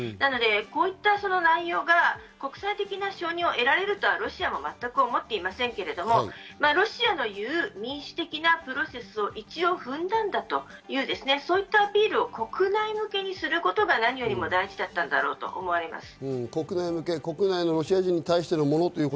こういった内容が国際的な承認を得られるとはロシアもまったく思っていませんけど、ロシアの言う民主的なプロセスを一応、踏んだんだと、そういったアピールを国内向けにすることが何よりも大事だったんだろうと思います。